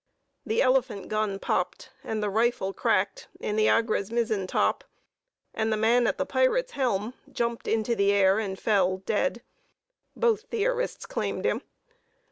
The elephant gun popped, and the rifle cracked, in the Agra's mizzen top, and the man at the pirate's helm jumped into the air and fell dead: both Theorists claimed him.